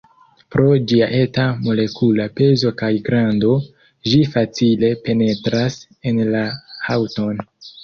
Pro ĝia eta molekula pezo kaj grando, ĝi facile penetras en la haŭton.